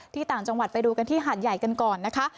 ต่างจังหวัดไปดูกันที่หาดใหญ่กันก่อนนะคะ